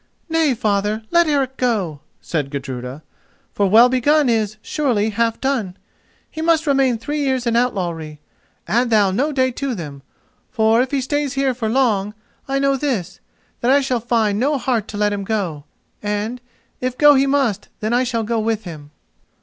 "Nay, father, let Eric go," said Gudruda, "for well begun is, surely, half done. He must remain three years in outlawry: add thou no day to them, for, if he stays here for long, I know this: that I shall find no heart to let him go, and, if go he must, then I shall go with him."